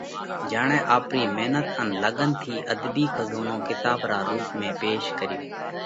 جيڻئہ آپرِي مينت ان لڳنَ ٿِي اڌبِي کزونو ڪِتاٻ را رُوپ ۾ پيش ڪريوه۔